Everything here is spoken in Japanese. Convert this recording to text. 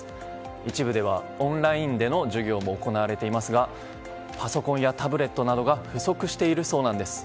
一部ではオンラインでの授業も行われていますがパソコンやタブレットなどが不足しているそうなんです。